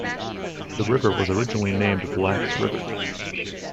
The river was originally named Black's River.